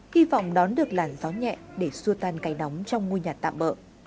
hy vọng đón được làn gió nhẹ để xua tan cây nóng trong ngôi nhà tạm bỡ